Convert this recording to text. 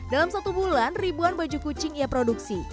dalam satu bulan ribuan baju kucing ia produksi